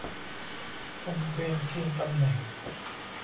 ทรงเวนคืนตำแหน่ง